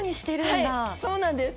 はいそうなんです。